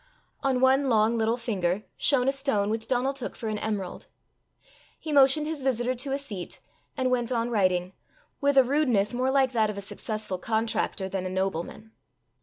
On one long little finger shone a stone which Donal took for an emerald. He motioned his visitor to a seat, and went on writing, with a rudeness more like that of a successful contractor than a nobleman.